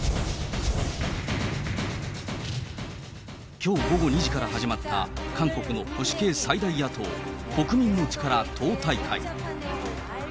きょう午後２時から始まった韓国の保守系最大野党・国民の力党大会。